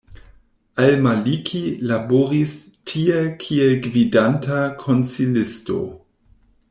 Al-Maliki laboris tie kiel gvidanta konsilisto.